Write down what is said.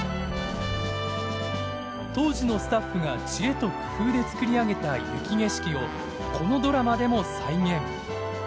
当時のスタッフが知恵と工夫で作り上げた雪景色をこのドラマでも再現。